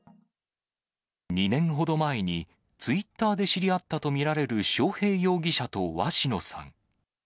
２年ほど前にツイッターで知り合ったと見られる章平容疑者と鷲野さん。